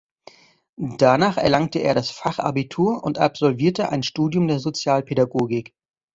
Danach erlangte er das Fachabitur und absolvierte ein Studium der Sozialpädagogik.